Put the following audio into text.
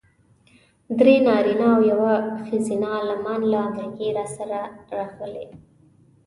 درې نارینه او یوه ښځینه عالمان له امریکې راسره راغلي.